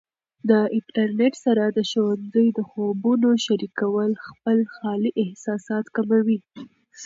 د انټرنیټ سره د ښوونځي د خوبونو شریکول خپل خالي احساسات کموي.